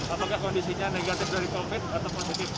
apakah kondisinya negatif dari covid atau positif